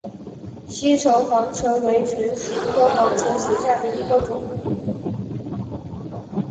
西畴黄芩为唇形科黄芩属下的一个种。